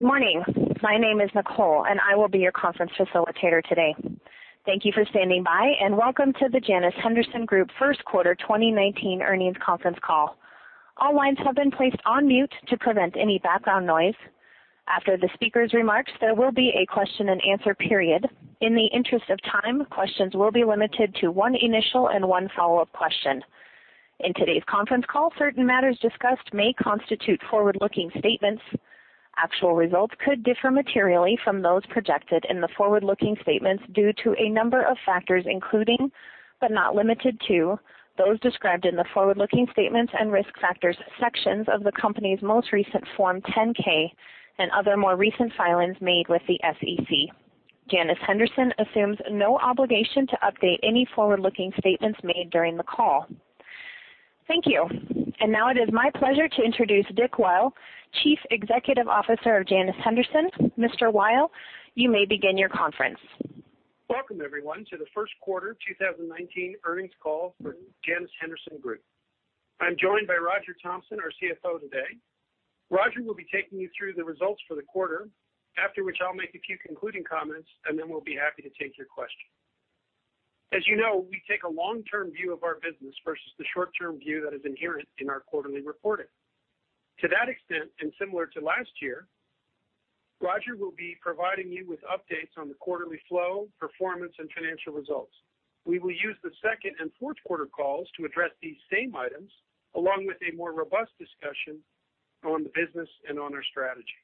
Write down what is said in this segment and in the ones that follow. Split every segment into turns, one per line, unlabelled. Morning. My name is Nicole, and I will be your conference facilitator today. Thank you for standing by, and welcome to the Janus Henderson Group first quarter 2019 earnings conference call. All lines have been placed on mute to prevent any background noise. After the speaker's remarks, there will be a question and answer period. In the interest of time, questions will be limited to one initial and one follow-up question. In today's conference call, certain matters discussed may constitute forward-looking statements. Actual results could differ materially from those projected in the forward-looking statements due to a number of factors, including, but not limited to, those described in the forward-looking statements and risk factors sections of the company's most recent Form 10-K and other more recent filings made with the SEC. Janus Henderson assumes no obligation to update any forward-looking statements made during the call. Thank you. Now it is my pleasure to introduce Dick Weil, Chief Executive Officer of Janus Henderson. Mr. Weil, you may begin your conference.
Welcome, everyone, to the first quarter 2019 earnings call for Janus Henderson Group. I'm joined by Roger Thompson, our CFO today. Roger will be taking you through the results for the quarter, after which I'll make a few concluding comments, and then we'll be happy to take your questions. As you know, we take a long-term view of our business versus the short-term view that is inherent in our quarterly reporting. To that extent, and similar to last year, Roger will be providing you with updates on the quarterly flow, performance, and financial results. We will use the second and fourth quarter calls to address these same items, along with a more robust discussion on the business and on our strategy.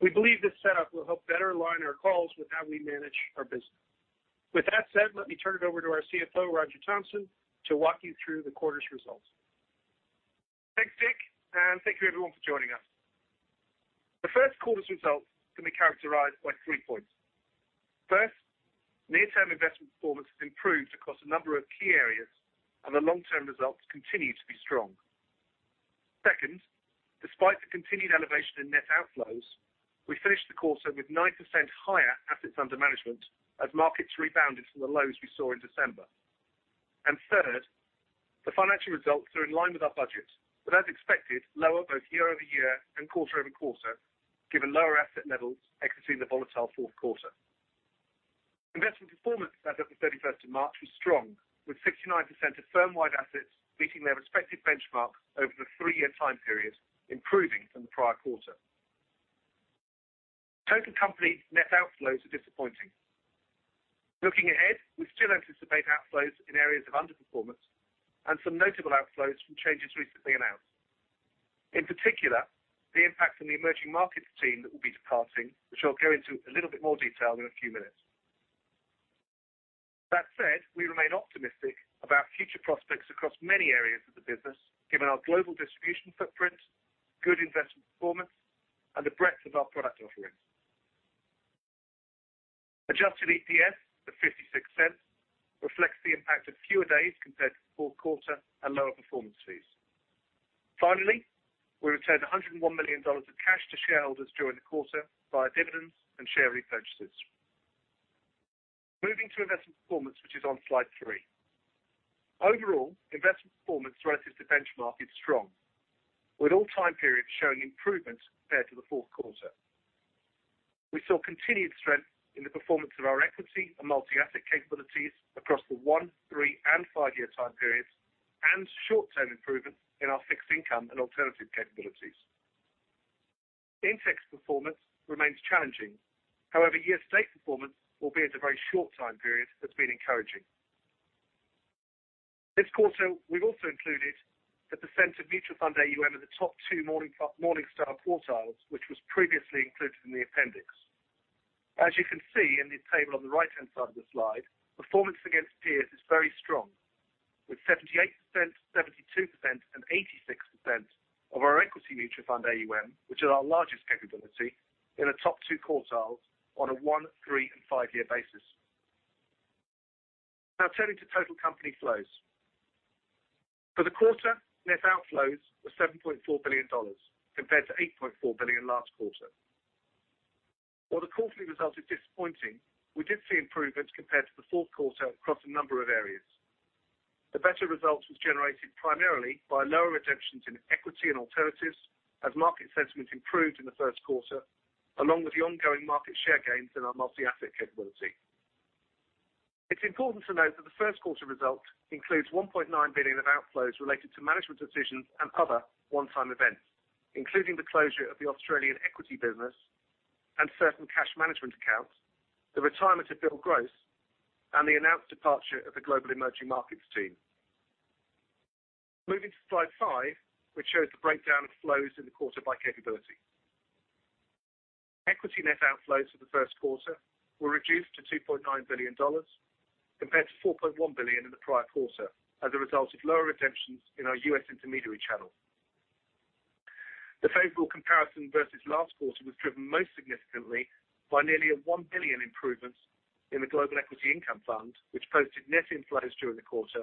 We believe this setup will help better align our calls with how we manage our business. With that said, let me turn it over to our CFO, Roger Thompson, to walk you through the quarter's results.
Thanks, Dick, thank you everyone for joining us. The first quarter's results can be characterized by three points. First, near-term investment performance has improved across a number of key areas, and the long-term results continue to be strong. Second, despite the continued elevation in net outflows, we finished the quarter with 9% higher assets under management as markets rebounded from the lows we saw in December. Third, the financial results are in line with our budget, but as expected, lower both year-over-year and quarter-over-quarter, given lower asset levels exiting the volatile fourth quarter. Investment performance as at the 31st of March was strong, with 69% of firm-wide assets meeting their respective benchmark over the three-year time period, improving from the prior quarter. Total company net outflows are disappointing. Looking ahead, we still anticipate outflows in areas of underperformance and some notable outflows from changes recently announced. In particular, the impact on the Global Emerging Markets team that will be departing, which I'll go into a little bit more detail in a few minutes. That said, we remain optimistic about future prospects across many areas of the business, given our global distribution footprint, good investment performance, and the breadth of our product offerings. Adjusted EPS of $0.56 reflects the impact of fewer days compared to the fourth quarter and lower performance fees. Finally, we returned $101 million of cash to shareholders during the quarter via dividends and share repurchases. Moving to investment performance, which is on slide three. Overall, investment performance relative to benchmark is strong, with all time periods showing improvement compared to the fourth quarter. We saw continued strength in the performance of our equity and multi-asset capabilities across the one, three, and five-year time periods and short-term improvement in our fixed income and alternative capabilities. INTECH performance remains challenging. However, year-to-date performance, albeit a very short time period, has been encouraging. This quarter, we've also included the % of mutual fund AUM in the top two Morningstar quartiles, which was previously included in the appendix. As you can see in the table on the right-hand side of the slide, performance against peers is very strong, with 78%, 72%, and 86% of our equity mutual fund AUM, which is our largest capability, in the top two quartiles on a one, three, and five-year basis. For the quarter, net outflows were $7.4 billion compared to $8.4 billion last quarter. While the quarterly result is disappointing, we did see improvements compared to the fourth quarter across a number of areas. The better results was generated primarily by lower redemptions in equity and alternatives as market sentiment improved in the first quarter, along with the ongoing market share gains in our multi-asset capability. It's important to note that the first quarter result includes $1.9 billion of outflows related to management decisions and other one-time events, including the closure of the Australian equity business and certain cash management accounts, the retirement of Bill Gross, and the announced departure of the Global Emerging Markets team. Moving to slide five, which shows the breakdown of flows in the quarter by capability. Equity net outflows for the first quarter were reduced to $2.9 billion, compared to $4.1 billion in the prior quarter as a result of lower redemptions in our U.S. intermediary channel. The favorable comparison versus last quarter was driven most significantly by nearly a $1 billion improvement in the Global Equity Income Fund, which posted net inflows during the quarter,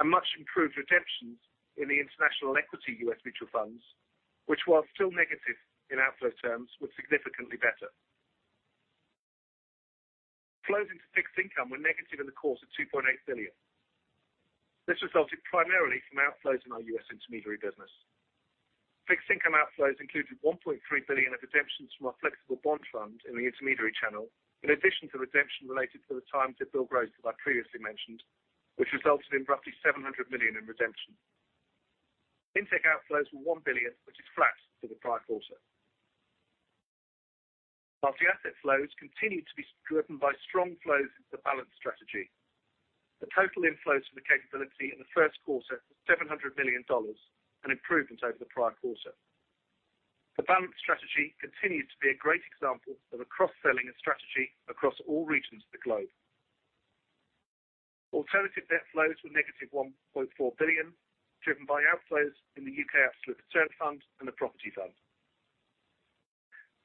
and much improved redemptions in the international equity U.S. mutual funds, which, while still negative in outflow terms, were significantly better. Flows into fixed income were negative $2.8 billion. This resulted primarily from outflows in our U.S. intermediary business. Fixed income outflows included $1.3 billion of redemptions from our Flexible Bond Fund in the intermediary channel, in addition to redemption related to the timed goodwill growth that I previously mentioned, which resulted in roughly $700 million in redemption. INTECH outflows were $1 billion, which is flat to the prior quarter. Multi-asset flows continued to be driven by strong flows into the balanced strategy. The total inflows for the capability in the first quarter was $700 million, an improvement over the prior quarter. The balanced strategy continues to be a great example of a cross-selling strategy across all regions of the globe. Alternative net flows were negative $1.4 billion, driven by outflows in the U.K. absolute return fund and the property fund.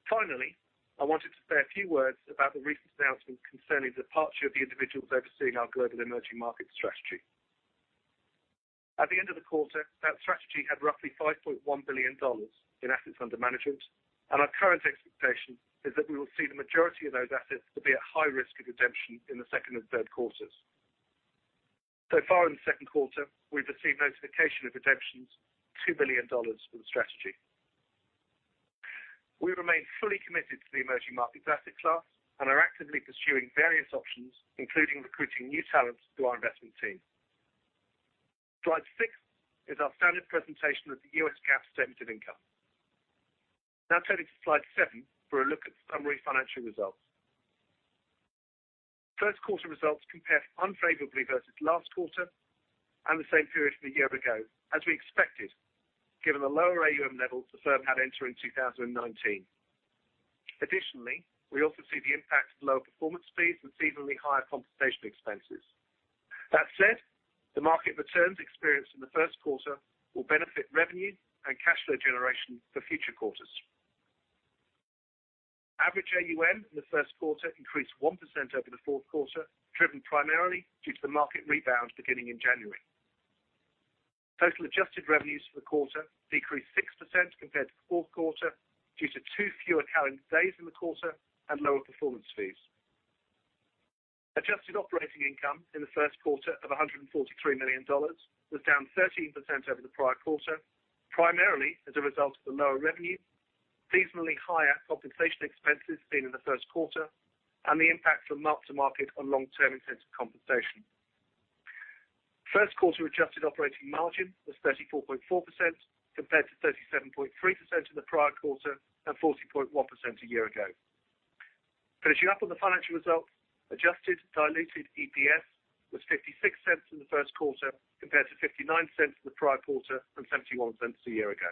Finally, I wanted to say a few words about the recent announcement concerning the departure of the individuals overseeing our Global Emerging Markets strategy. At the end of the quarter, that strategy had roughly $5.1 billion in assets under management, and our current expectation is that we will see the majority of those assets to be at high risk of redemption in the second and third quarters. So far in the second quarter, we've received notification of redemptions, $2 billion for the strategy. We remain fully committed to the emerging market asset class and are actively pursuing various options, including recruiting new talent to our investment team. Slide six is our standard presentation of the U.S. GAAP statement of income. Turning to slide seven for a look at summary financial results. First quarter results compared unfavorably versus last quarter and the same period a year ago, as we expected, given the lower AUM level the firm had entering 2019. Additionally, we also see the impact of lower performance fees and seasonally higher compensation expenses. That said, the market returns experienced in the first quarter will benefit revenue and cash flow generation for future quarters. Average AUM in the first quarter increased 1% over the fourth quarter, driven primarily due to the market rebound beginning in January. Total adjusted revenues for the quarter decreased 6% compared to the fourth quarter, due to two fewer calendar days in the quarter and lower performance fees. Adjusted operating income in the first quarter of $143 million was down 13% over the prior quarter, primarily as a result of the lower revenue, seasonally higher compensation expenses seen in the first quarter, and the impact from mark-to-market on long-term incentive compensation. First quarter adjusted operating margin was 34.4% compared to 37.3% in the prior quarter and 40.1% a year ago. Finishing up on the financial results, adjusted diluted EPS was $0.56 in the first quarter, compared to $0.59 in the prior quarter and $0.71 a year ago.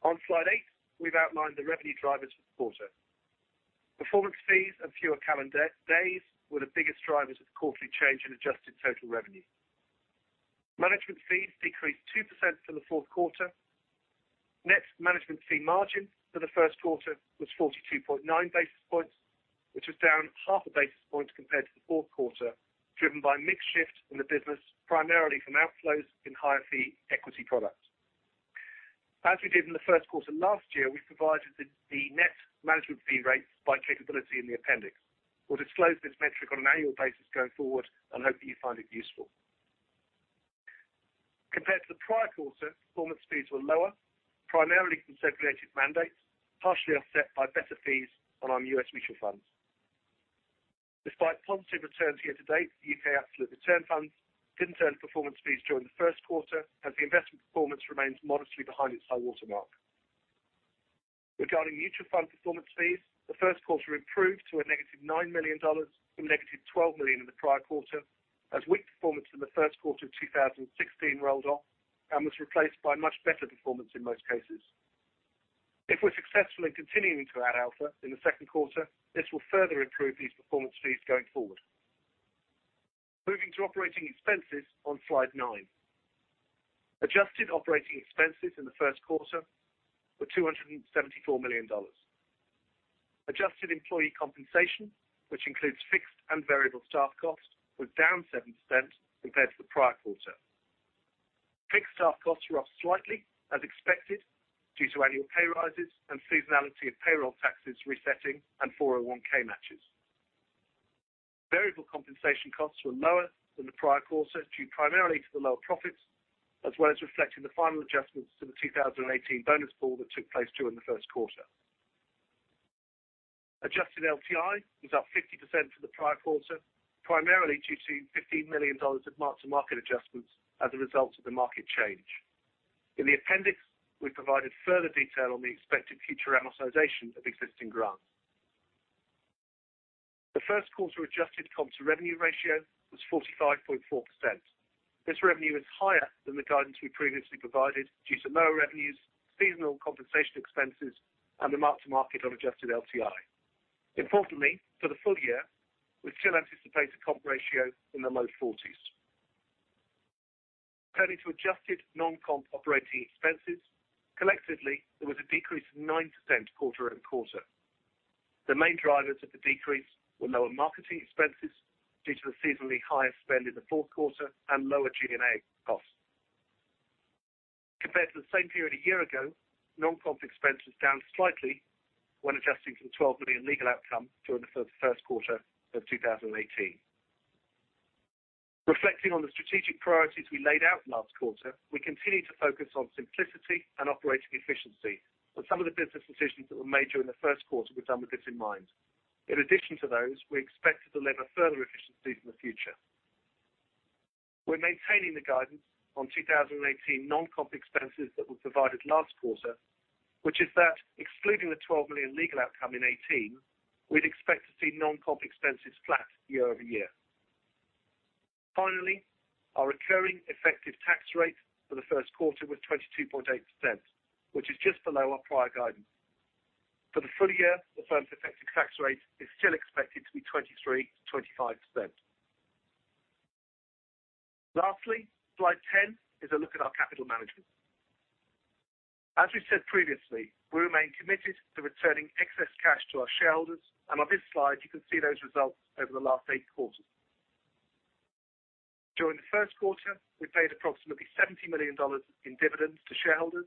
On slide eight, we've outlined the revenue drivers for the quarter. Performance fees and fewer calendar days were the biggest drivers of the quarterly change in adjusted total revenue. Management fees decreased 2% from the fourth quarter. Net management fee margin for the first quarter was 42.9 basis points, which was down half a basis point compared to the fourth quarter, driven by a mix shift in the business, primarily from outflows in higher fee equity products. As we did in the first quarter last year, we provided the net management fee rates by capability in the appendix. We'll disclose this metric on an annual basis going forward and hope that you find it useful. Compared to the prior quarter, performance fees were lower, primarily from segregated mandates, partially offset by better fees on our U.S. mutual funds. Despite positive returns year-to-date, the U.K. absolute return funds didn't earn performance fees during the first quarter, as the investment performance remains modestly behind its high-water mark. Regarding mutual fund performance fees, the first quarter improved to a negative $9 million from negative $12 million in the prior quarter, as weak performance in the first quarter of 2016 rolled off and was replaced by much better performance in most cases. If we're successful in continuing to add alpha in the second quarter, this will further improve these performance fees going forward. Moving to operating expenses on slide nine. Adjusted operating expenses in the first quarter were $274 million. Adjusted employee compensation, which includes fixed and variable staff costs, was down 7% compared to the prior quarter. Fixed staff costs were up slightly, as expected, due to annual pay rises and seasonality of payroll taxes resetting and 401 matches. Variable compensation costs were lower than the prior quarter, due primarily to the lower profits, as well as reflecting the final adjustments to the 2018 bonus pool that took place during the first quarter. Adjusted LTI was up 50% from the prior quarter, primarily due to $15 million of mark-to-market adjustments as a result of the market change. In the appendix, we provided further detail on the expected future amortization of existing grants. The first quarter adjusted comp to revenue ratio was 45.4%. This revenue is higher than the guidance we previously provided due to lower revenues, seasonal compensation expenses, and the mark-to-market of adjusted LTI. Importantly, for the full year, we still anticipate a comp ratio in the low 40s. Turning to adjusted non-comp operating expenses, collectively, there was a decrease of 9% quarter-over-quarter. The main drivers of the decrease were lower marketing expenses due to the seasonally higher spend in the fourth quarter and lower G&A costs. Compared to the same period a year-ago, non-comp expenses down slightly when adjusting for the $12 million legal outcome during the first quarter of 2018. Reflecting on the strategic priorities we laid out last quarter, we continue to focus on simplicity and operating efficiency, and some of the business decisions that were made during the first quarter were done with this in mind. In addition to those, we expect to deliver further efficiencies in the future. We're maintaining the guidance on 2018 non-comp expenses that were provided last quarter, which is that excluding the $12 million legal outcome in 2018, we'd expect to see non-comp expenses flat year-over-year. Finally, our recurring effective tax rate for the first quarter was 22.8%, which is just below our prior guidance. For the full year, the firm's effective tax rate is still expected to be 23%-25%. Lastly, slide 10 is a look at our capital management. As we said previously, we remain committed to returning excess cash to our shareholders, and on this slide, you can see those results over the last eight quarters. During the first quarter, we paid approximately $70 million in dividends to shareholders,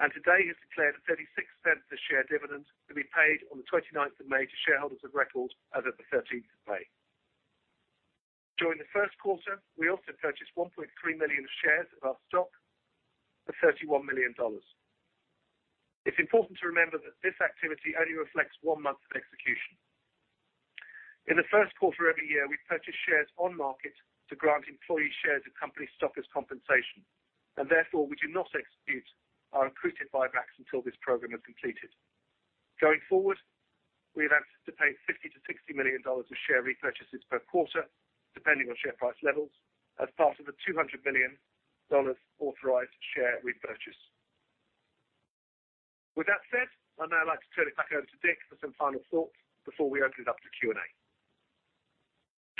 and today have declared a $0.36 a share dividend to be paid on the 29th of May to shareholders of record as of the 13th of May. During the first quarter, we also purchased 1.3 million shares of our stock for $31 million. It's important to remember that this activity only reflects one month of execution. In the first quarter every year, we purchase shares on market to grant employees shares of company stock as compensation, and therefore, we do not execute our accretive buybacks until this program is completed. Going forward, we've had to pay $50 million-$60 million of share repurchases per quarter, depending on share price levels, as part of a $200 million authorized share repurchase. With that said, I'd now like to turn it back over to Dick for some final thoughts before we open it up to Q&A.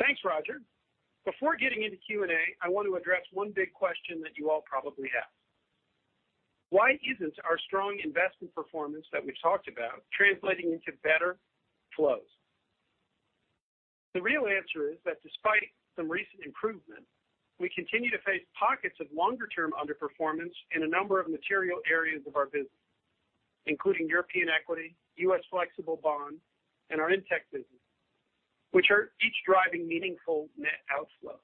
Thanks, Roger. Before getting into Q&A, I want to address one big question that you all probably have. Why isn't our strong investment performance that we've talked about translating into better flows? The real answer is that despite some recent improvement, we continue to face pockets of longer-term underperformance in a number of material areas of our business, including European equity, U.S. flexible bond, and our INTECH business, which are each driving meaningful net outflows.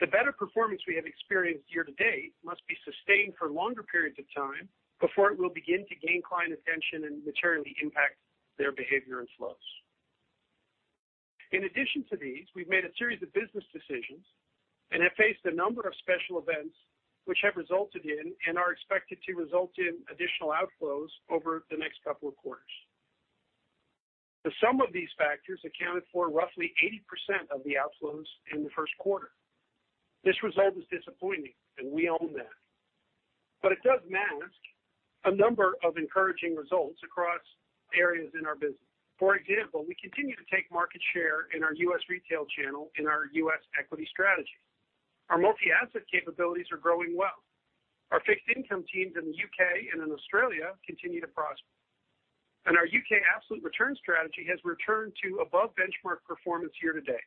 The better performance we have experienced year to date must be sustained for longer periods of time before it will begin to gain client attention and materially impact their behavior and flows. In addition to these, we've made a series of business decisions and have faced a number of special events which have resulted in and are expected to result in additional outflows over the next couple of quarters. The sum of these factors accounted for roughly 80% of the outflows in the first quarter. This result is disappointing, and we own that. It does mask a number of encouraging results across areas in our business. For example, we continue to take market share in our U.S. retail channel in our U.S. equity strategy. Our multi-asset capabilities are growing well. Our fixed income teams in the U.K. and in Australia continue to prosper. Our U.K. absolute return strategy has returned to above-benchmark performance year to date.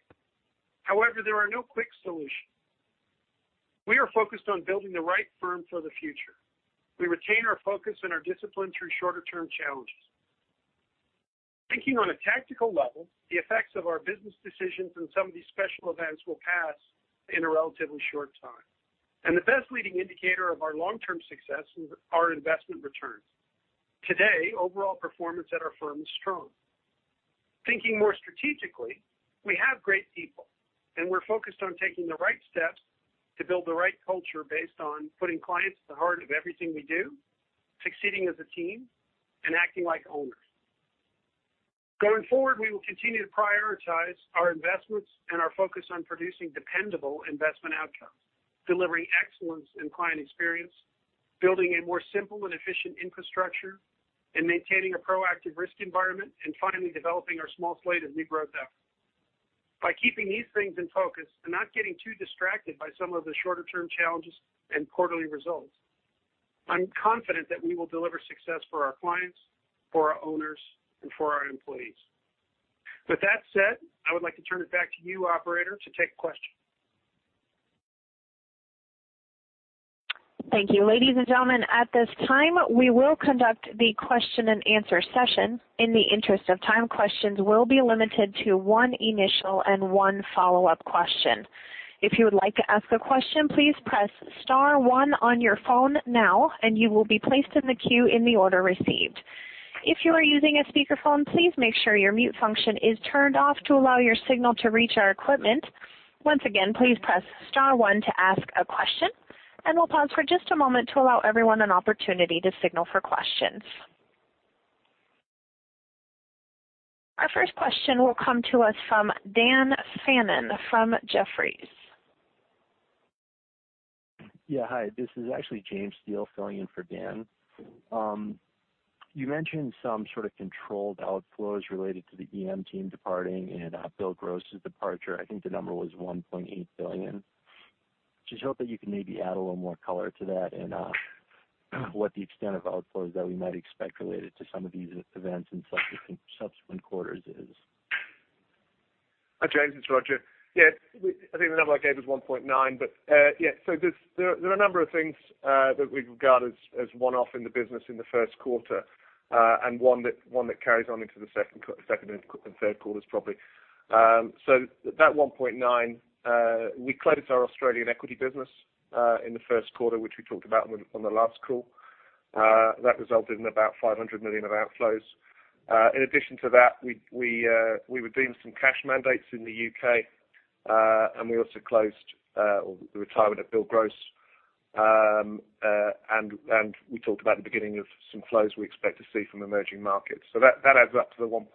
There are no quick solutions. We are focused on building the right firm for the future. We retain our focus and our discipline through shorter-term challenges. Thinking on a tactical level, the effects of our business decisions and some of these special events will pass in a relatively short time. The best leading indicator of our long-term success is our investment returns. Today, overall performance at our firm is strong. Thinking more strategically, we have great people, and we're focused on taking the right steps to build the right culture based on putting clients at the heart of everything we do, succeeding as a team, and acting like owners. Going forward, we will continue to prioritize our investments and our focus on producing dependable investment outcomes, delivering excellence in client experience, building a more simple and efficient infrastructure, and maintaining a proactive risk environment, and finally, developing our small slate of new growth out. By keeping these things in focus and not getting too distracted by some of the shorter-term challenges and quarterly results, I'm confident that we will deliver success for our clients, for our owners, and for our employees. With that said, I would like to turn it back to you, operator, to take questions.
Thank you. Ladies and gentlemen, at this time, we will conduct the question and answer session. In the interest of time, questions will be limited to one initial and one follow-up question. If you would like to ask a question, please press *1 on your phone now, and you will be placed in the queue in the order received. If you are using a speakerphone, please make sure your mute function is turned off to allow your signal to reach our equipment. Once again, please press *1 to ask a question. We'll pause for just a moment to allow everyone an opportunity to signal for questions. Our first question will come to us from Daniel Fannon from Jefferies.
Yeah. Hi, this is actually James Steele filling in for Dan. You mentioned some sort of controlled outflows related to the EM team departing and Bill Gross' departure. I think the number was $1.8 billion. Just hope that you can maybe add a little more color to that and what the extent of outflows that we might expect related to some of these events in subsequent quarters is.
Hi, James, it's Roger. I think the number I gave is 1.9, but. There are a number of things that we've regarded as one-off in the business in the first quarter, and one that carries on into the second and third quarters, probably. That 1.9, we closed our Australian equity business in the first quarter, which we talked about on the last call. That resulted in about $500 million of outflows. In addition to that, we were doing some cash mandates in the U.K., and we also closed the retirement of Bill Gross. We talked about the beginning of some flows we expect to see from emerging markets. That adds up to the 1.9.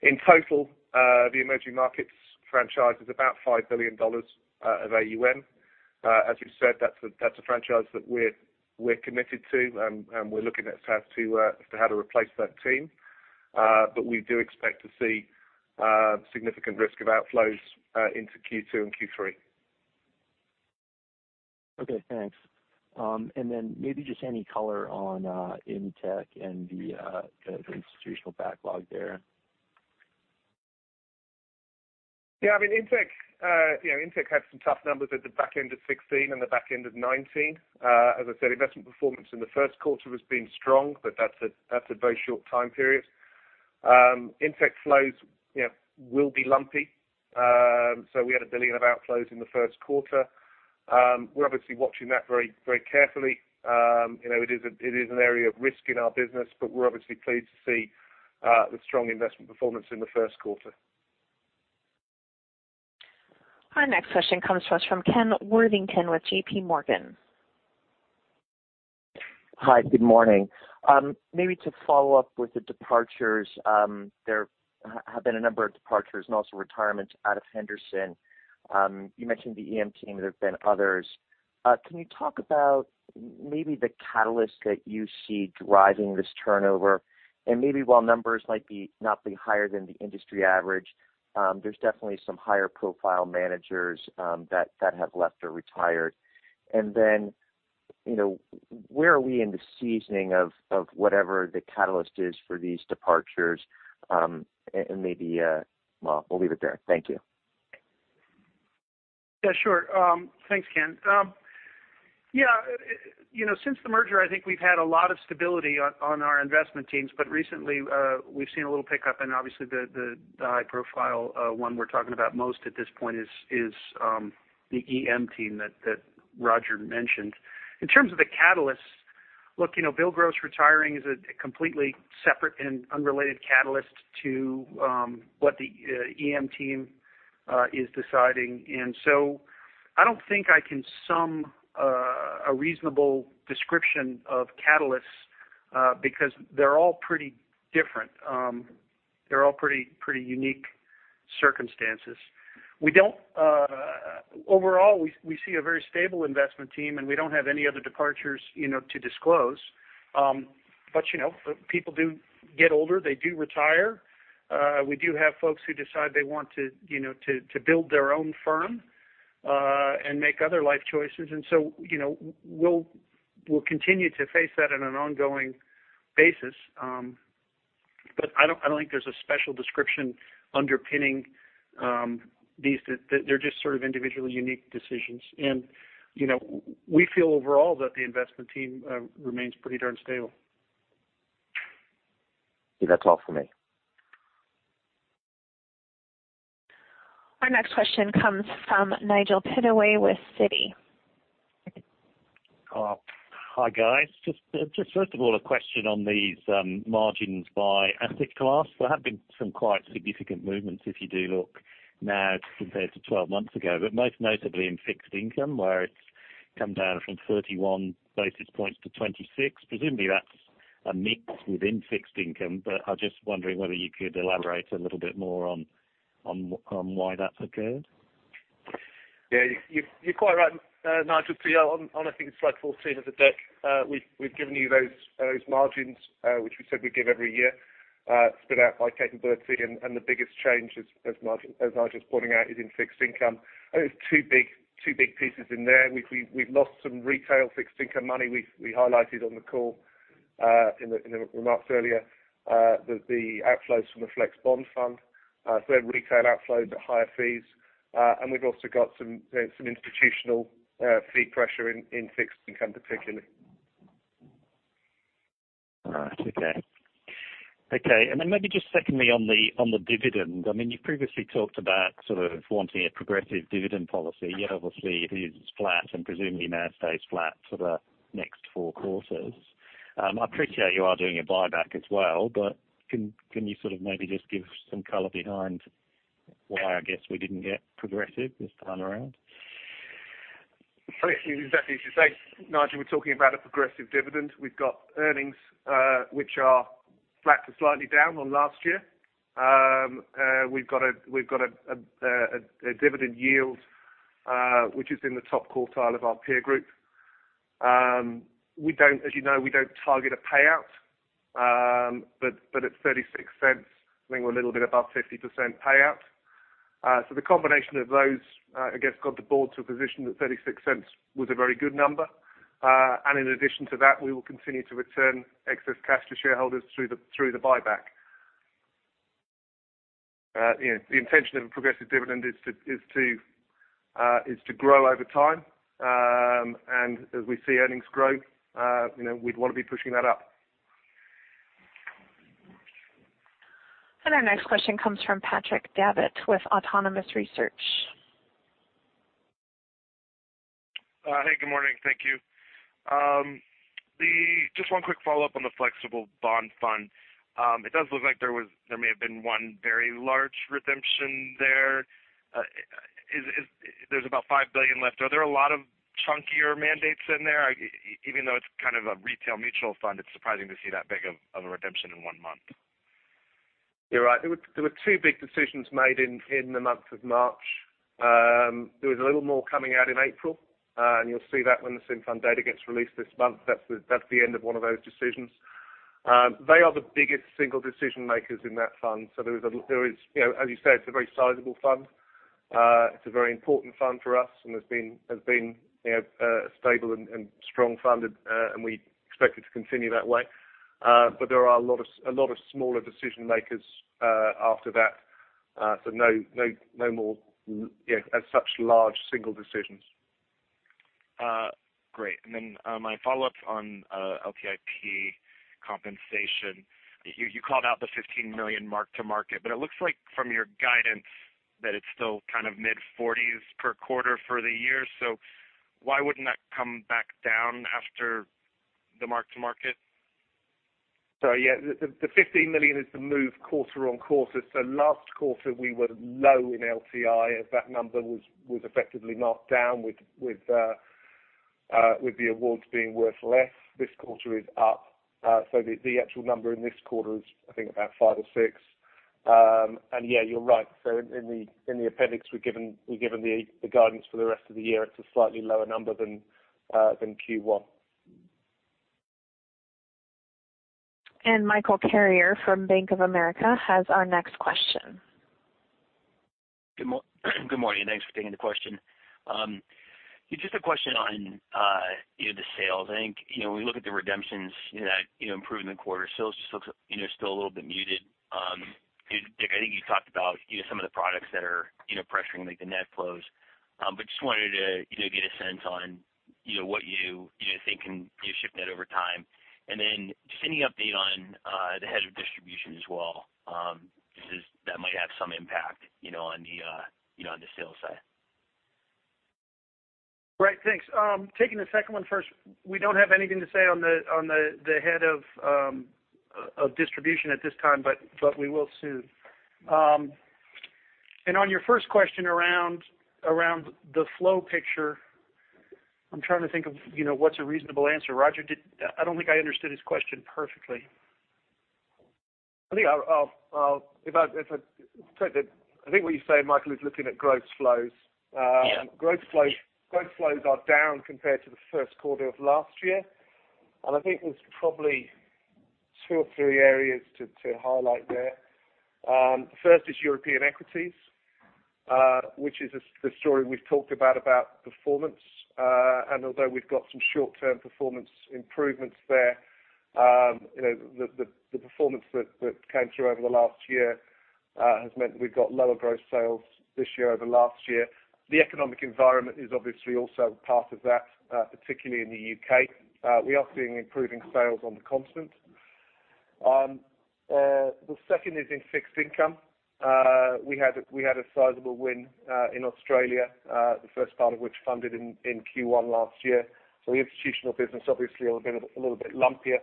In total, the emerging markets franchise is about $5 billion of AUM. As you said, that's a franchise that we're committed to, and we're looking at as to how to replace that team. We do expect to see significant risk of outflows into Q2 and Q3.
Okay, thanks. Then maybe just any color on INTECH and the institutional backlog there.
INTECH had some tough numbers at the back end of 2016 and the back end of 2019. As I said, investment performance in the first quarter has been strong, but that's a very short time period. INTECH flows will be lumpy. We had $1 billion of outflows in the first quarter. We're obviously watching that very carefully. It is an area of risk in our business, but we're obviously pleased to see the strong investment performance in the first quarter.
Our next question comes to us from Kenneth Worthington with J.P. Morgan.
Hi, good morning. Maybe to follow up with the departures. There have been a number of departures and also retirements out of Henderson. You mentioned the EM team, there have been others. Can you talk about maybe the catalyst that you see driving this turnover? Maybe while numbers might not be higher than the industry average, there's definitely some higher profile managers that have left or retired. Where are we in the seasoning of whatever the catalyst is for these departures? Maybe, well, we'll leave it there. Thank you.
Yeah, sure. Thanks, Ken. Yeah. Since the merger, I think we've had a lot of stability on our investment teams. Recently, we've seen a little pickup, and obviously the high profile one we're talking about most at this point is the EM team that Roger mentioned. In terms of the catalysts, look, Bill Gross retiring is a completely separate and unrelated catalyst to what the EM team is deciding. I don't think I can sum a reasonable description of catalysts, because they're all pretty different. They're all pretty unique circumstances. Overall, we see a very stable investment team, and we don't have any other departures to disclose. People do get older. They do retire. We do have folks who decide they want to build their own firm, and make other life choices. We'll continue to face that on an ongoing basis. I don't think there's a special description underpinning these. They're just sort of individually unique decisions. We feel overall that the investment team remains pretty darn stable.
That's all for me.
Our next question comes from Nigel Pittaway with Citi.
Hi, guys. First of all, a question on these margins by asset class. There have been some quite significant movements if you do look now compared to 12 months ago, but most notably in fixed income, where it's come down from 31 basis points to 26. Presumably that's a mix within fixed income, but I'm just wondering whether you could elaborate a little bit more on why that's occurred.
Yeah, you're quite right, Nigel. I think it's slide 14 of the deck. We've given you those margins, which we said we'd give every year, split out by capability. The biggest change is, as Nigel's pointing out, is in fixed income. I think there's two big pieces in there. We've lost some retail fixed income money. We highlighted on the call in the remarks earlier that the outflows from the Flex Bond Fund. Retail outflows at higher fees. We've also got some institutional fee pressure in fixed income, particularly.
Maybe just secondly on the dividend. You previously talked about sort of wanting a progressive dividend policy. Yet obviously it is flat and presumably now stays flat for the next 4 quarters. I appreciate you are doing a buyback as well. Can you sort of maybe just give some color behind why I guess we didn't get progressive this time around?
It's exactly as you say, Nigel. We're talking about a progressive dividend. We've got earnings, which are flat to slightly down on last year. We've got a dividend yield, which is in the top quartile of our peer group. As you know, we don't target a payout. At $0.36, I think we're a little bit above 50% payout. The combination of those, I guess, got the board to a position that $0.36 was a very good number. In addition to that, we will continue to return excess cash to shareholders through the buyback. The intention of a progressive dividend is to grow over time. As we see earnings growth, we'd want to be pushing that up.
Our next question comes from Patrick Davitt with Autonomous Research.
Hey, good morning. Thank you. Just one quick follow-up on the Flexible Bond Fund. It does look like there may have been one very large redemption there. There's about $5 billion left. Are there a lot of chunkier mandates in there? Even though it's kind of a retail mutual fund, it's surprising to see that big of a redemption in one month.
You're right. There were two big decisions made in the month of March. There was a little more coming out in April, and you'll see that when the Simfund data gets released this month. That's the end of one of those decisions. They are the biggest single decision-makers in that fund. As you said, it's a very sizable fund. It's a very important fund for us and has been a stable and strong fund, and we expect it to continue that way. There are a lot of smaller decision-makers after that. No more, as such, large single decisions.
Great. My follow-up on LTIP compensation. You called out the $15 million mark-to-market. It looks like from your guidance that it's still kind of mid-40s per quarter for the year. Why wouldn't that come back down after the mark-to-market?
Yeah, the $15 million is the move quarter-on-quarter. Last quarter, we were low in LTI as that number was effectively marked down with the awards being worth less. This quarter is up. The actual number in this quarter is, I think, about five or six. Yeah, you're right. In the appendix, we've given the guidance for the rest of the year at a slightly lower number than Q1.
Michael Carrier from Bank of America has our next question.
Good morning. Thanks for taking the question. Just a question on the sales. I think when we look at the redemptions that improved in the quarter, sales just looks still a little bit muted. Dick, I think you talked about some of the products that are pressuring the net flows, just wanted to get a sense on what you think can shift that over time. Just any update on the head of distribution as well. That might have some impact on the sales side.
Right. Thanks. Taking the second one first, we don't have anything to say on the head of distribution at this time, but we will soon. On your first question around the flow picture, I'm trying to think of what's a reasonable answer. Roger, I don't think I understood his question perfectly.
I think what you say, Michael, is looking at gross flows.
Yeah.
Gross flows are down compared to the first quarter of last year. I think there's probably two or three areas to highlight there. First is European equities, which is the story we've talked about performance. Although we've got some short-term performance improvements there, the performance that came through over the last year has meant that we've got lower gross sales this year over last year. The economic environment is obviously also part of that, particularly in the U.K. We are seeing improving sales on the continent. The second is in fixed income. We had a sizable win in Australia, the first part of which funded in Q1 last year. The institutional business obviously a little bit lumpier.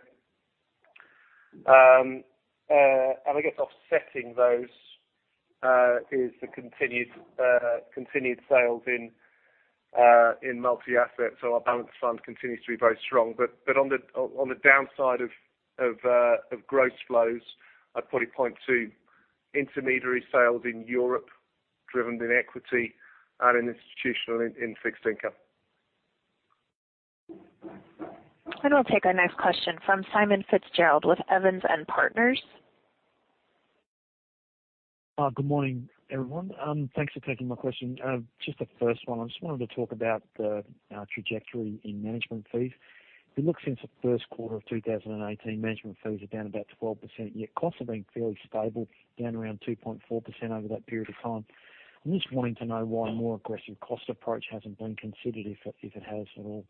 I guess offsetting those is the continued sales in multi-asset. Our balanced fund continues to be very strong. On the downside of gross flows, I would probably point to intermediary sales in Europe driven in equity and in institutional in fixed income.
We will take our next question from Simon Fitzgerald with Evans and Partners.
Good morning, everyone. Thanks for taking my question. Just the first one, I just wanted to talk about the trajectory in management fees. If you look since the first quarter of 2018, management fees are down about 12%, yet costs have been fairly stable, down around 2.4% over that period of time. I am just wanting to know why a more aggressive cost approach hasn't been considered, if it has at all.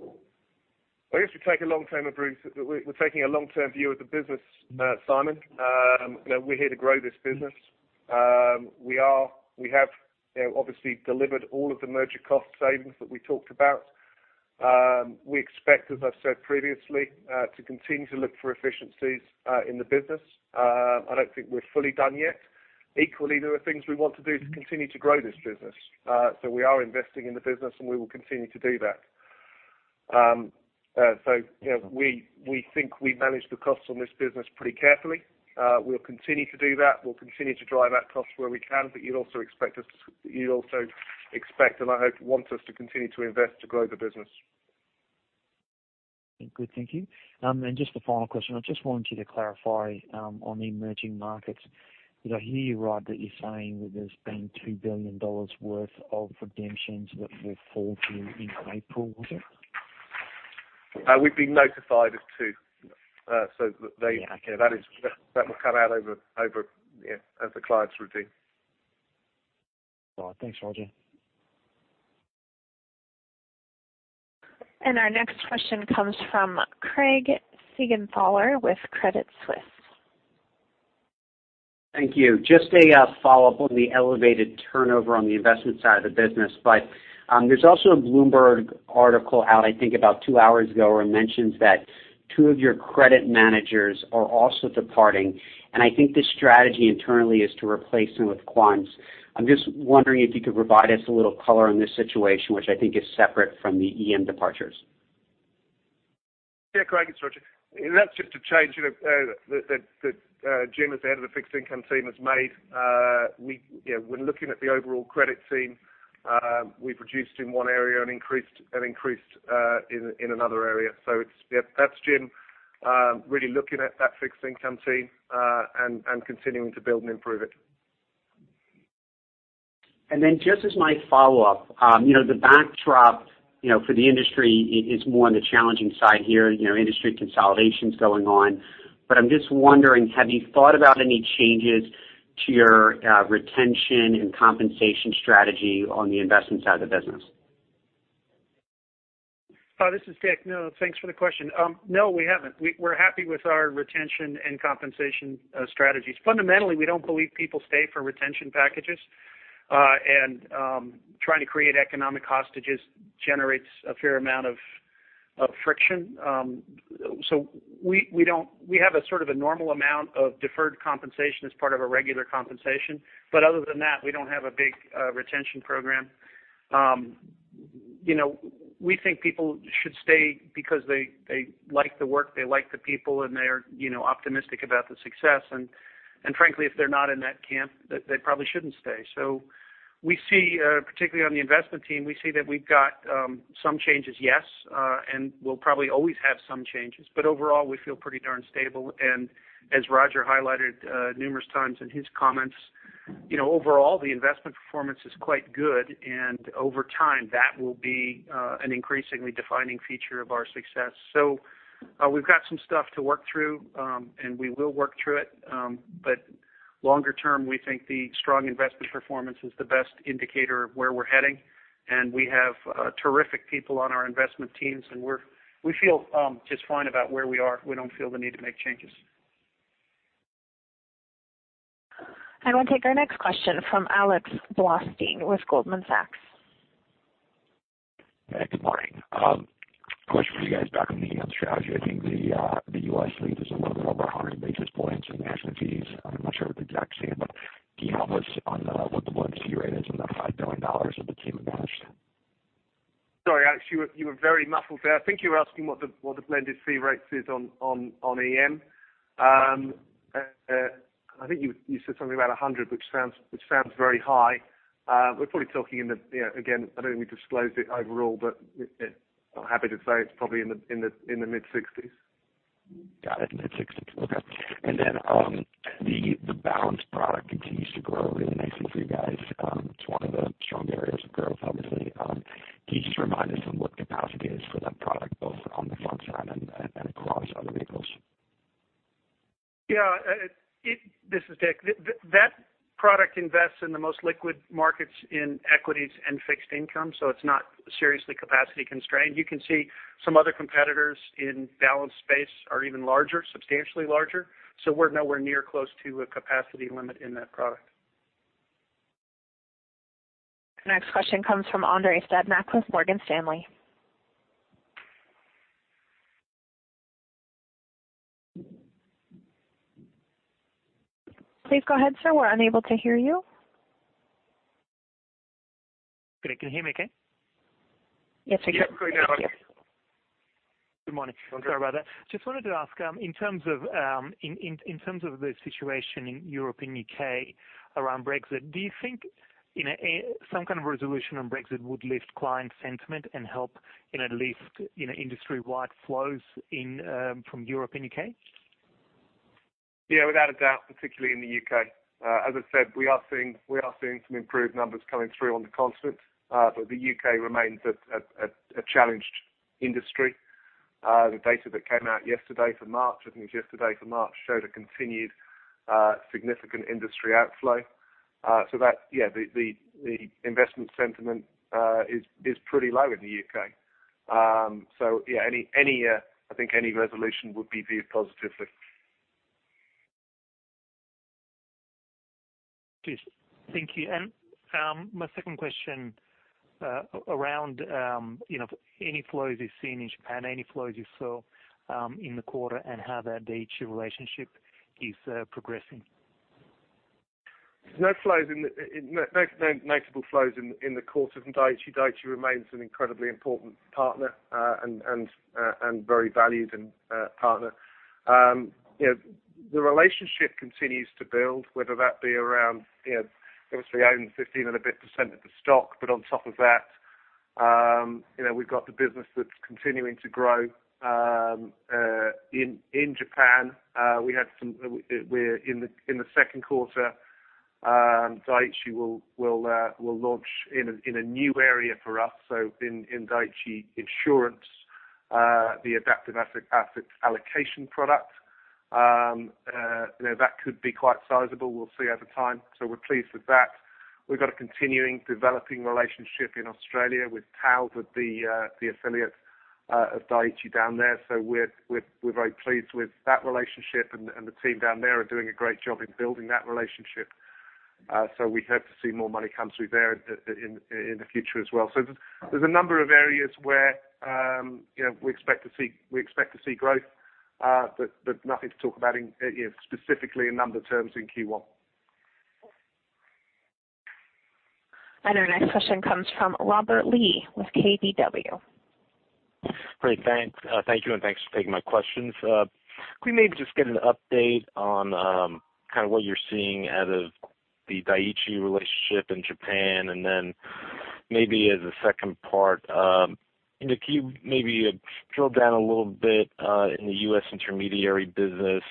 I guess we take a long-term approach. We are taking a long-term view of the business, Simon. We are here to grow this business. We have obviously delivered all of the merger cost savings that we talked about. We expect, as I have said previously, to continue to look for efficiencies in the business. I do not think we are fully done yet. Equally, there are things we want to do to continue to grow this business. We are investing in the business, and we will continue to do that. We think we manage the costs on this business pretty carefully. We will continue to do that. We will continue to drive out costs where we can, you would also expect, and I hope want us to continue to invest to grow the business.
Good. Thank you. Just the final question, I just wanted you to clarify on the emerging markets. Did I hear you right that you're saying that there's been $2 billion worth of redemptions that will fall due in April, was it?
We've been notified of two.
Yeah, okay.
That will come out as the clients redeem.
All right. Thanks, Roger.
Our next question comes from Craig Siegenthaler with Credit Suisse.
Thank you. Just a follow-up on the elevated turnover on the investment side of the business. There's also a Bloomberg article out, I think about two hours ago, where it mentions that two of your credit managers are also departing, and I think the strategy internally is to replace them with quants. I'm just wondering if you could provide us a little color on this situation, which I think is separate from the EM departures.
Yeah, Craig, it's Roger. That's just a change that Jim, as the head of the fixed income team, has made. We're looking at the overall credit team. We produced in one area and increased in another area. That's Jim really looking at that fixed income team and continuing to build and improve it.
Just as my follow-up. The backdrop for the industry is more on the challenging side here, industry consolidation's going on. I'm just wondering, have you thought about any changes to your retention and compensation strategy on the investment side of the business?
This is Dick. No, thanks for the question. No, we haven't. We're happy with our retention and compensation strategies. Fundamentally, we don't believe people stay for retention packages. Trying to create economic hostages generates a fair amount of friction. We have a sort of a normal amount of deferred compensation as part of a regular compensation, other than that, we don't have a big retention program. We think people should stay because they like the work, they like the people, and they're optimistic about the success. Frankly, if they're not in that camp, they probably shouldn't stay. Particularly on the investment team, we see that we've got some changes, yes. We'll probably always have some changes, overall, we feel pretty darn stable. As Roger highlighted numerous times in his comments, overall, the investment performance is quite good. Over time, that will be an increasingly defining feature of our success. We've got some stuff to work through, and we will work through it. Longer term, we think the strong investment performance is the best indicator of where we're heading. We have terrific people on our investment teams, and we feel just fine about where we are. We don't feel the need to make changes.
I will take our next question from Alex Blostein with Goldman Sachs.
Good morning. Question for you guys back on the EM strategy. I think the U.S. lead is a little bit over 100 basis points in management fees. I'm not sure what the exact same, but can you help us on what the blended fee rate is on the $5 billion of AUM managed?
Sorry, Alex, you were very muffled there. I think you were asking what the blended fee rate is on EM. I think you said something about 100, which sounds very high. We're probably talking in the, again, I don't think we disclose it overall, but I'm happy to say it's probably in the mid-60s.
Got it, mid-60s. Okay. The balanced product continues to grow really nicely for you guys. It's one of the strong areas of growth, obviously. Can you just remind us on what capacity is for that product, both on the front side and across other vehicles?
Yeah. This is Dick. That product invests in the most liquid markets in equities and fixed income, so it's not seriously capacity constrained. You can see some other competitors in balanced space are even larger, substantially larger. We're nowhere near close to a capacity limit in that product.
Next question comes from Andrei Stadnik with Morgan Stanley. Please go ahead, sir. We're unable to hear you.
Good. Can you hear me okay?
Yes, I can.
Yes, we can hear you.
Good morning. Andrei. Sorry about that. Just wanted to ask, in terms of the situation in Europe and U.K. around Brexit, do you think some kind of resolution on Brexit would lift client sentiment and help in at least industry-wide flows from Europe and U.K.?
Yeah, without a doubt, particularly in the U.K. As I said, we are seeing some improved numbers coming through on the continent. The U.K. remains a challenged industry. The data that came out yesterday for March, I think it was yesterday for March, showed a continued significant industry outflow. The investment sentiment is pretty low in the U.K. Yeah, I think any resolution would be viewed positively.
Thank you. My second question, around any flows you've seen in Japan, any flows you saw in the quarter, and how that Dai-ichi relationship is progressing.
No notable flows in the quarter from Dai-ichi. Dai-ichi remains an incredibly important partner and very valued partner. The relationship continues to build, whether that be around, obviously owning 15% and a bit of the stock, but on top of that, we've got the business that's continuing to grow in Japan. In the second quarter, Dai-ichi will launch in a new area for us. In Dai-ichi Life, the Adaptive Asset Allocation product. That could be quite sizable. We'll see over time. We're pleased with that. We've got a continuing developing relationship in Australia with TAL, the affiliate of Dai-ichi down there. We're very pleased with that relationship, and the team down there are doing a great job in building that relationship. We hope to see more money come through there in the future as well. There's a number of areas where we expect to see growth, but nothing to talk about specifically in number terms in Q1.
Our next question comes from Robert Lee with KBW.
Great. Thank you, and thanks for taking my questions. Could we maybe just get an update on what you're seeing out of the Dai-ichi relationship in Japan, and then maybe as a second part, and if you maybe drill down a little bit in the U.S. intermediary business,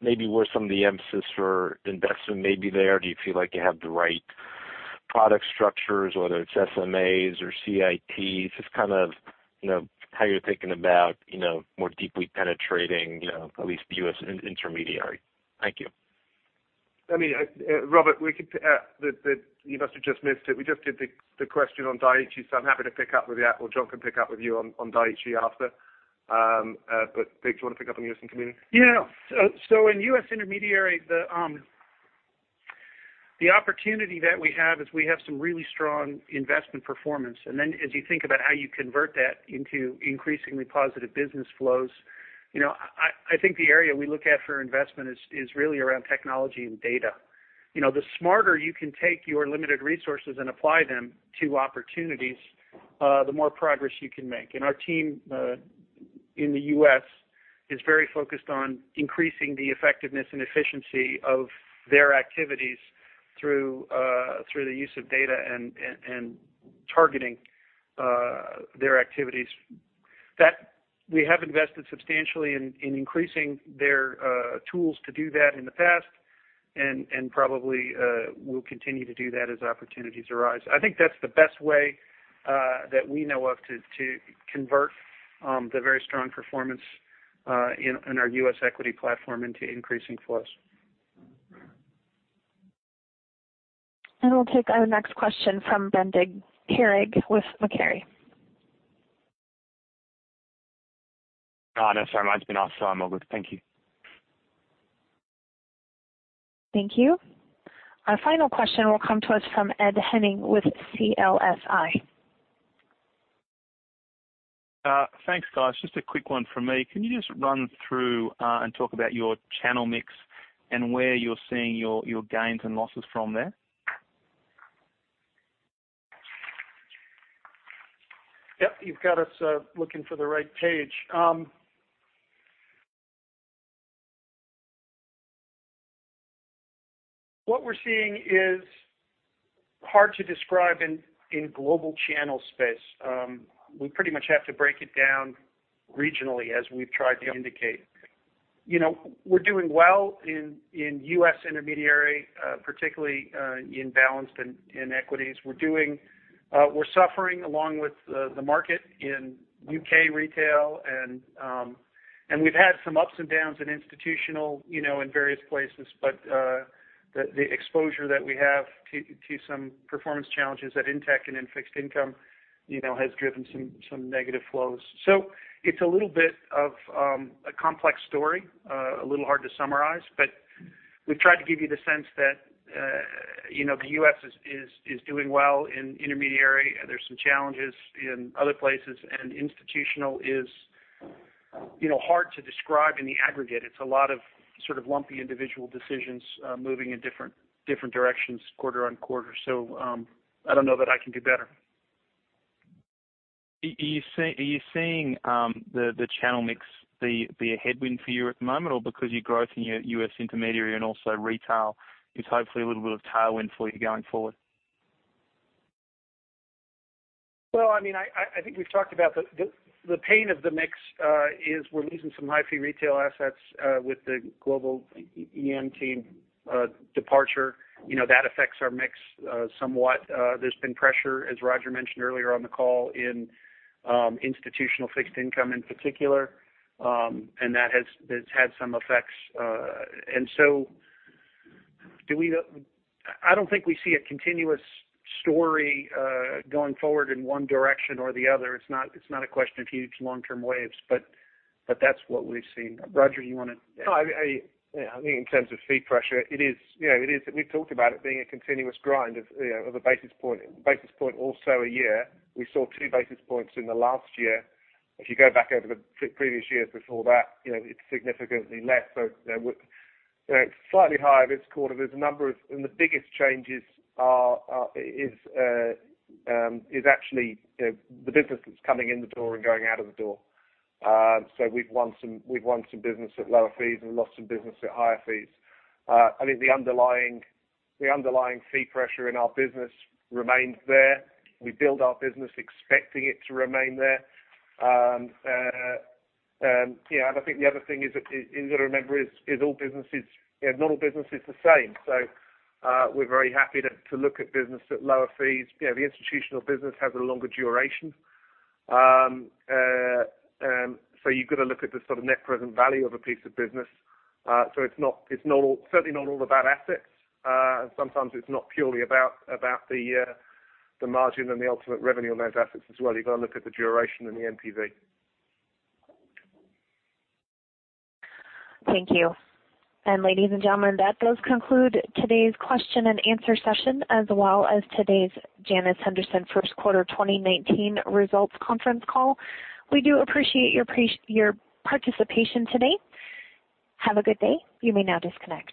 maybe where some of the emphasis for investment may be there. Do you feel like you have the right product structures, whether it's SMAs or CITs, just how you're thinking about more deeply penetrating at least the U.S. intermediary. Thank you.
Robert, you must have just missed it. We just did the question on Dai-ichi, so I'm happy to pick up with you, or John can pick up with you on Dai-ichi after. Dick, do you want to pick up on U.S. intermediary?
Yeah. In U.S. intermediary, the opportunity that we have is we have some really strong investment performance. As you think about how you convert that into increasingly positive business flows, I think the area we look at for investment is really around technology and data. The smarter you can take your limited resources and apply them to opportunities, the more progress you can make. Our team in the U.S. is very focused on increasing the effectiveness and efficiency of their activities through the use of data and targeting their activities. We have invested substantially in increasing their tools to do that in the past, and probably will continue to do that as opportunities arise. I think that's the best way that we know of to convert the very strong performance in our U.S. equity platform into increasing flows.
We'll take our next question from Brendan Carrig with Macquarie.
No, sorry, mine's been answered, I'm all good. Thank you.
Thank you. Our final question will come to us from Ed Henning with CLSA.
Thanks, guys. Just a quick one from me. Can you just run through and talk about your channel mix and where you're seeing your gains and losses from there?
Yep. You've got us looking for the right page. What we're seeing is hard to describe in global channel space. We pretty much have to break it down regionally as we've tried to indicate. We're doing well in U.S. intermediary, particularly in balanced and in equities. We're suffering along with the market in U.K. retail, and we've had some ups and downs in institutional in various places. The exposure that we have to some performance challenges at INTECH and in fixed income has driven some negative flows. It's a little bit of a complex story, a little hard to summarize, but we've tried to give you the sense that the U.S. is doing well in intermediary. There are some challenges in other places, and institutional is hard to describe in the aggregate. It's a lot of lumpy individual decisions moving in different directions quarter-on-quarter. I don't know that I can do better.
Are you seeing the channel mix be a headwind for you at the moment, or because your growth in your U.S. intermediary and also retail is hopefully a little bit of tailwind for you going forward?
Well, I think we've talked about the pain of the mix is we're losing some high-fee retail assets with the global EM team departure. That affects our mix somewhat. There's been pressure, as Roger mentioned earlier on the call, in institutional fixed income in particular. That has had some effects. I don't think we see a continuous story going forward in one direction or the other. It's not a question of huge long-term waves, but that's what we've seen. Roger, you want to-
No. I think in terms of fee pressure, we've talked about it being a continuous grind of a basis point or so a year. We saw two basis points in the last year. If you go back over the previous years before that, it's significantly less. It's slightly higher this quarter. The biggest changes is actually the business that's coming in the door and going out of the door. We've won some business at lower fees and lost some business at higher fees. I think the underlying fee pressure in our business remains there. We build our business expecting it to remain there. I think the other thing you got to remember is not all business is the same. We're very happy to look at business at lower fees. The institutional business has a longer duration. You've got to look at the net present value of a piece of business. It's certainly not all about assets. Sometimes it's not purely about the margin and the ultimate revenue on those assets as well. You've got to look at the duration and the NPV.
Thank you. Ladies and gentlemen, that does conclude today's question and answer session, as well as today's Janus Henderson first quarter 2019 results conference call. We do appreciate your participation today. Have a good day. You may now disconnect.